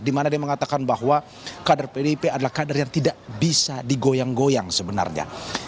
dimana dia mengatakan bahwa kader pdip adalah kader yang tidak bisa digoyang goyang sebenarnya